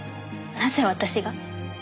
なぜ私が？